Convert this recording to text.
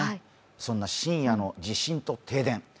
そんな深夜の地震と停電。